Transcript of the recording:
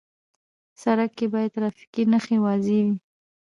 سړک کې باید ټرافیکي نښې واضح وي.